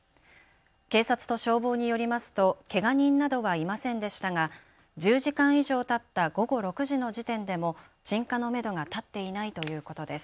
警察と消防によりますとけが人などはいませんでしたが１０時間以上たった午後６時の時点でも鎮火のめどが立っていないということです。